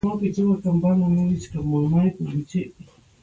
احمد هره روځ په څلور بجو له خپل کار څخه فارغ کېږي.